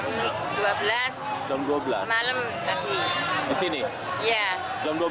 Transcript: mulai berkumpul para supporter ini sejak kapan